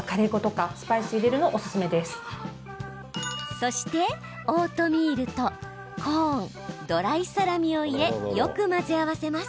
そしてオートミールとコーンドライサラミを入れよく混ぜ合わせます。